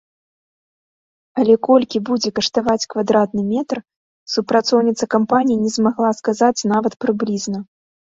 Але колькі будзе каштаваць квадратны метр, супрацоўніца кампаніі не змагла сказаць нават прыблізна.